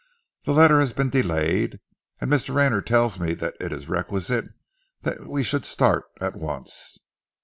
The letter has been delayed, and Mr. Rayner tells me that it is requisite that we should start at once."